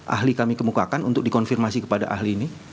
ahli kami kemukakan untuk dikonfirmasi kepada ahli ini